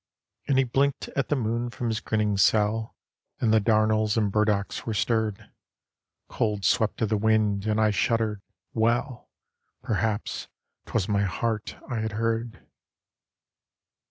... And he blinked at the moon from his grinning cell, And the darnels and burdocks were stirred, Cold swept of the wind, and I shuddered. Well! Perhaps 'twas my heart I had heard.